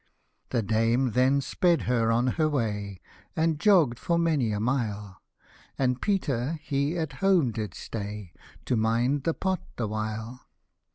The dame then sped her on her way, And jogg'd for many a mile ; And Peter he at home did stay, To mind the pot the while.